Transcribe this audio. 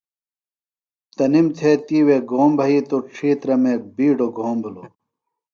تنِم تھےۡ تِیوے گھوم بھئِیتوۡ۔ ڇِھیترہ مے بِیڈوۡ گھوم بِھلوۡ۔